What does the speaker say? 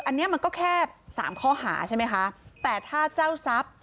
นี่ก็แค่๓ข้อหาแต่ถ้าเจ้าทรัพย์